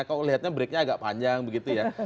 kalau lihatnya breaknya agak panjang begitu ya